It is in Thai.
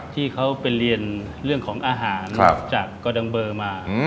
ที่เขาไปเรียนเรื่องของอาหารจากกระดังเบอร์มา